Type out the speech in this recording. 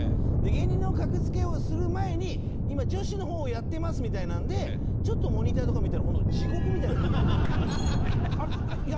芸人の「格付け」をする前に今女子の方をやってますみたいなのでちょっとモニターとか見たらホント。